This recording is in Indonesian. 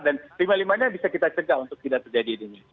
dan lima limanya bisa kita cegah untuk tidak terjadi di india